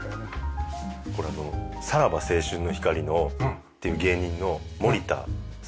これさらば青春の光のっていう芸人の森田さんなんですけど。